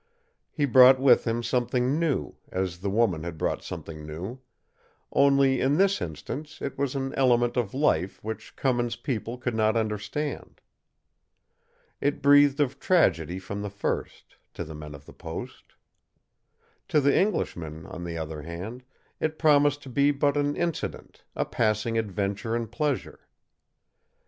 He brought with him something new, as the woman had brought something new; only in this instance it was an element of life which Cummins' people could not understand. It breathed of tragedy from the first, to the men of the post. To the Englishman, on the other hand, it promised to be but an incident a passing adventure in pleasure.